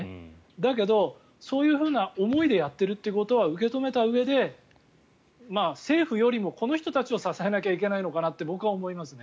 だけど、そういうふうな思いでやっているということは受け止めたうえで政府よりもこの人たちを支えなければいけないって僕は思いますね。